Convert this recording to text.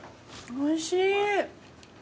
おいしい。